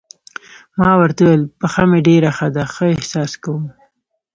ما ورته وویل: پښه مې ډېره ښه ده، ښه احساس کوم.